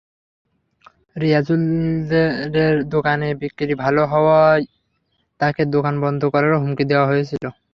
রিয়াজুলের দোকানে বিক্রি ভালো হওয়ায় তাঁকে দোকান বন্ধ করারও হুমকি দেওয়া হয়েছিল।